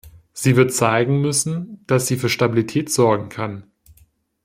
Sie wird zeigen müssen, dass sie für Stabilität sorgen kann.